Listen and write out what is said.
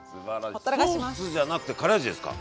ソースじゃなくてカレー味ですか？